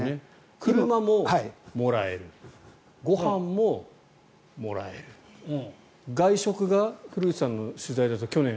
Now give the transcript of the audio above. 車ももらえる、ご飯ももらえる外食が古内さんの取材だと去年。